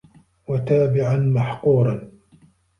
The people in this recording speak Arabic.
وَتَابِعًا مَحْقُورًا